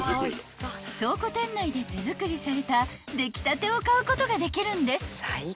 ［倉庫店内で手作りされた出来たてを買うことができるんです］